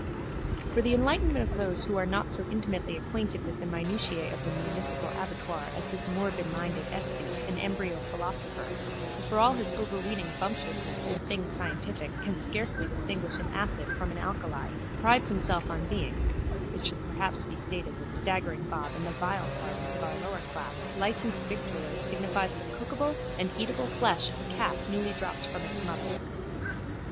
For the enlightenment of those who are not so intimately acquainted with the minutiae of the municipal abattoir as this morbidminded esthete and embryo philosopher who for all his overweening bumptiousness in things scientific can scarcely distinguish an acid from an alkali prides himself on being, it should perhaps be stated that staggering bob in the vile parlance of our lowerclass licensed victuallers signifies the cookable and eatable flesh of a calf newly dropped from its mother.